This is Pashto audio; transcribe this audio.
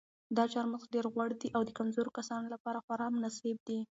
دا چهارمغز ډېر غوړ دي او د کمزورو کسانو لپاره خورا مناسب دي.